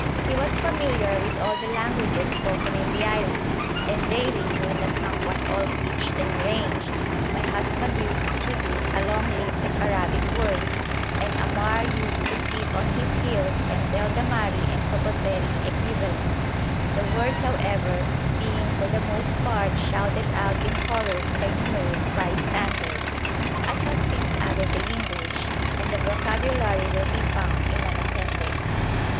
He was familiar with all the languages spoken in the island, and daily, when the camp was all pitched and arranged, my husband used to produce a long list of Arabic words, and Ammar used to sit on his heels and tell the Mahri and Sokoteri equivalents, the words, however, being for the most part shouted out in chorus by numerous bystanders. I have since added the English, and the vocabulary will be found in an appendix.